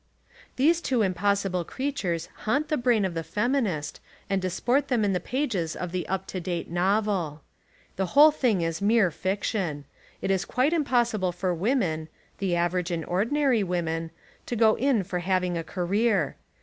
These two impossible creatures haunt the brain of the feminist and disport them in the pages of the up to date novel. The whole thing is mere fiction. It is quite impossible for women, — the average and ordi nary women, — to go in for having a career.